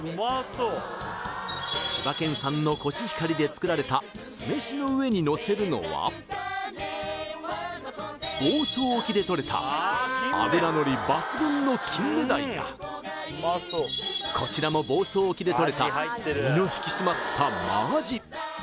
千葉県産のコシヒカリで作られた酢飯の上にのせるのは房総沖でとれた脂のり抜群の金目鯛やこちらも房総沖でとれた身の引き締まった真アジ